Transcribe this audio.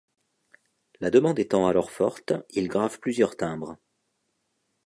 La demande étant alors forte, il grave plusieurs timbres.